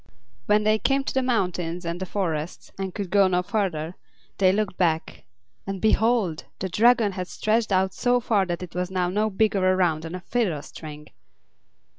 When they came to the mountains and the forests, and could go no farther, they looked back; and behold! the Dragon had stretched out so far that it was now no bigger around than a fiddle string!